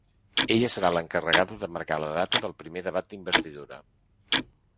Ella serà l’encarregada de marcar la data del primer debat d’investidura.